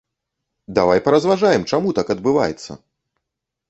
Давай паразважаем, чаму так адбываецца!